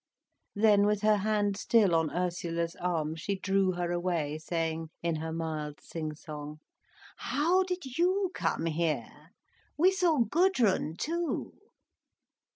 Then, with her hand still on Ursula's arm, she drew her away, saying, in her mild sing song: "How did you come here? We saw Gudrun too."